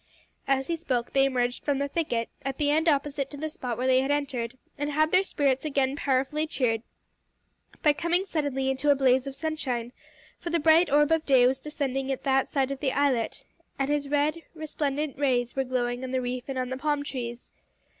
As he spoke they emerged from the thicket, at the end opposite to the spot where they had entered, and had their spirits again powerfully cheered by coming suddenly into a blaze of sunshine, for the bright orb of day was descending at that side of the islet, and his red, resplendent rays were glowing on the reef and on the palm trees.